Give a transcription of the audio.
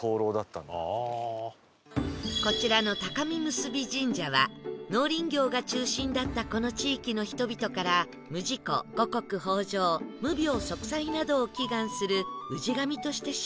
こちらの高皇産霊神社は農林業が中心だったこの地域の人々から無事故五穀豊穣無病息災などを祈願する氏神として信仰されてきました